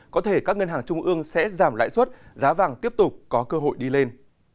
có thể các ngân hàng trung ương sẽ giảm lãi suất giá vàng tiếp tục có cơ hội đi lên